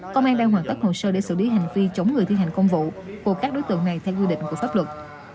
công an đang hoàn tất hồ sơ để xử lý hành vi chống người thi hành công vụ của các đối tượng này theo quy định của pháp luật